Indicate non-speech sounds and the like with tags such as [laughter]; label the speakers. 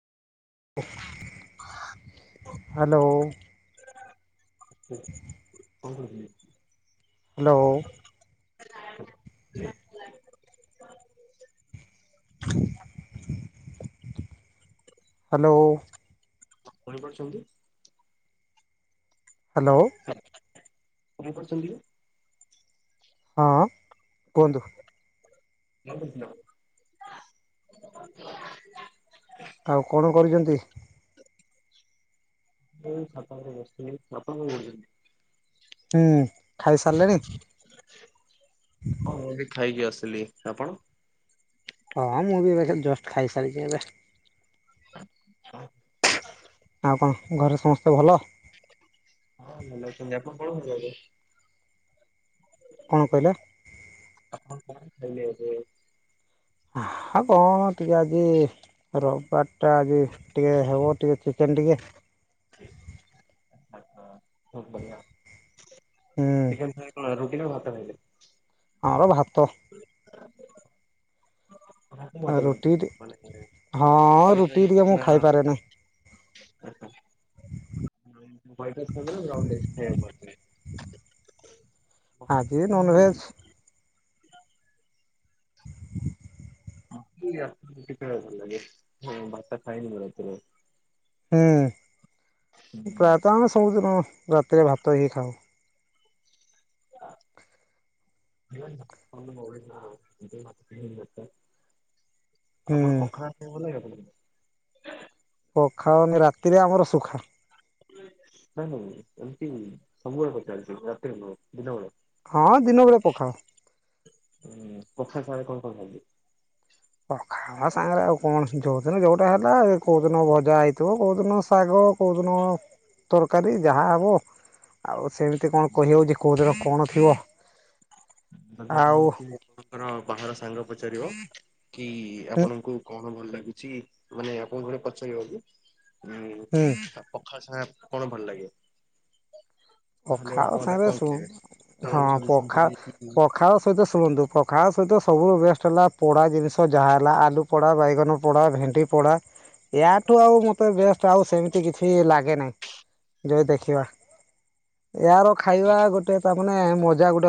Speaker 1: Hello.
Speaker 2: Okay କଣ କରୁଥିଲେ?
Speaker 1: Hello. [inaudible] Hello.
Speaker 2: ଶୁଣି ପାରୁଛନ୍ତି?
Speaker 1: ହ୍ୟାଲୋ।
Speaker 2: ଶୁଣି ପାରୁଛନ୍ତି?
Speaker 1: ହଁ କୁହନ୍ତୁ।
Speaker 2: କଣ କରୁଥିଲ?
Speaker 1: ଆଉ କଣ କରୁଛନ୍ତି?
Speaker 2: ଏଇ ଛାତ ଉପରେ ବସିଥିଲି। ବାପା କଣ କରୁଛନ୍ତି?
Speaker 1: ହୁଁ ଖାଇସାରିଲେଣି?
Speaker 2: ଲି ଆପଣ?
Speaker 1: ହଁ ମୁଁ ବି ଏବେ ଜଷ୍ଟ ଖାଇସାରିଛି ଏବେ।
Speaker 2: ହଁ
Speaker 1: ଆଉ କଣ ଘରେ ସମସ୍ତେ ଭଲ?
Speaker 2: ଭଲ ଅଛନ୍ତି। ଆପଣ କଣ ଖାଇଲେ ଏବେ?
Speaker 1: କଣ କହିଲ?
Speaker 2: ଖାଇଲି ଏବେ।
Speaker 1: ଆହା କଣ ଟିକେ ଆଜି ରବି ବାରଟା, ଆଜି ଟିକେ ହବ ଟିକେ ଚିକେନ ଟିକେ।
Speaker 2: ଠି
Speaker 1: ହୁଁ।
Speaker 2: ଲୋ ଭାତ ଖାଇଲେ।
Speaker 1: ଆମର ଭାତ।
Speaker 2: ଆପଣ କୋଉ ଭାତ ଖାଆନ୍ତି?
Speaker 1: ରୁଟି କି
Speaker 2: ମାନେ
Speaker 1: ଟି ହଁ
Speaker 2: ହ୍ୱାଇଟ
Speaker 1: ରୁଟିକି
Speaker 2: ରାଇସ୍
Speaker 1: ଟିକେ ମୁଁ
Speaker 2: ନା
Speaker 1: ଖାଇପାରେନି।
Speaker 2: ହ୍ୱାଇଟ ଫ୍ରେ ସାଙ୍ଗରେ ନଣ୍ଡେଜ୍ ଖାଇଆକୁ କହିବେ।
Speaker 1: ଆଜି
Speaker 2: ଲାଗେ?
Speaker 1: ନନଭେଜ୍।
Speaker 2: ମତେ ରାତିରେ ରୁଟି ଖାଇବାକୁ ଭଲ ଲାଗେ ଭାତ ଖାଏନି ମୁଁ ରାତିରେ।
Speaker 1: ହୁଁ ପ୍ରାୟତଃ ଆମେ ସବୁଦିନ ରାତିରେ ଭାତ ହିଁ ଖାଉ।
Speaker 2: ହୁଁ।
Speaker 1: ହୁଁ।
Speaker 2: ଆପଣ ପଖାଳ ଖାଇବାକୁ ଭଲ ଲାଗେ ଆପଣଙ୍କୁ?
Speaker 1: ପଖାଳ ନି ରାତିରେ ଆମର ଶୁଖା।
Speaker 2: ନାଇଁ ନାଇଁ ଏମିତି ସବୁବେଳେ ପଚାରୁଛି ରାତିରେ ନୁହଁ ଦିନବେଳେ।
Speaker 1: ହଁ ଦିନ ବେଳେ ପଖାଳ।
Speaker 2: ଉଁ ପଖାଳ ସାଙ୍ଗରେ କଣ ଖାଉଚନ୍ତି?
Speaker 1: ପଖାଳ ସାଙ୍ଗରେ ଆଉ କଣ ଯୋଉଦିନ ଯୋଉଟା ହେଲା କୋଉ ଦିନ ଭଜା ହେଇଥିବ କୋଉ ଦିନ ଶାଗ ଅ କୋଉ ଦିନ ତରକାରୀ ଯାହା ହବ। ଆଉ ସେମିତି କଣ କହି ହଉଚି କୋଉ ଦିନ କଣ ଥିବ।
Speaker 2: ଯଦି
Speaker 1: ଆଉ
Speaker 2: ଆପଣଙ୍କୁ କିଏ କର ବାହାର ସାଙ୍ଗ ପଚାରିବ କି
Speaker 1: ହୁଁ
Speaker 2: ଆପଣଙ୍କୁ କଣ ଭଲ ଲା ଉଚି ମାନେ ଆପଣୁ ଘରେ ପଚାରିବ କି ଉଁ
Speaker 1: ହୁଁ
Speaker 2: ଆ ପଖାଳ ସାଙ୍ଗେ କଣ ଭଲ ଲାଗେ? ତାହେଲେ
Speaker 1: ପଖାଳ
Speaker 2: ଆପଣ ତାକୁ
Speaker 1: ସାଙ୍ଗରେ
Speaker 2: କଣ
Speaker 1: ଶୁଁ
Speaker 2: କହିବେ?
Speaker 1: ହଁ
Speaker 2: ଜଣଙ୍କୁ ସଜେସନ
Speaker 1: ପଖା
Speaker 2: କରିବେ କି
Speaker 1: ପଖାଳ ପଦେ ଶୁଣନ୍ତୁ ପଖାଳ ସହିତ ସବୁଠୁ ବେଷ୍ଟ୍ ହେଲା ପୋଡ଼ା ଜିନିଷ ଯାହା ହେଲା ଆଲୁ ପୋଡ଼ା ବାଇଗନ ପୋଡ଼ା ଭେ ଣ୍ଡି ପୋଡ଼ା ୟାଠୁ ଆଉ ମତେ ବଷ୍ଟ୍ ଆଉ ସେମିତି କିଛି ଲାଗେ ନାହିଁ। ଯଦି ଦେଖିବା ୟାର ଖାଇବା ଗୋଟେ ତା ମାନେ ମଜା ଗୋଟେ